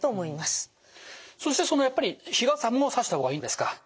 そしてそのやっぱり日傘も差した方がいいんですか。